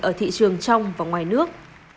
ở thị trường trong và ngoài nước